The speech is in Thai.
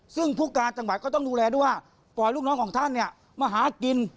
ซึ่งผู้การจังหวัดก็ต้องดูแลด้วยว่าปล่อยลูกน้องของท่านเนี่ยมาหากิน